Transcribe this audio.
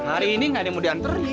hari ini gak ada yang mau dihanterin